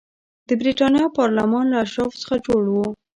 د برېټانیا پارلمان له اشرافو څخه جوړ و.